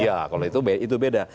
iya kalau itu beda